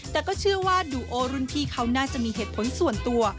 แต่ก็เชื่อว่าดูโอรุ่นพี่เขาน่าจะมีเหตุผลส่วนตัว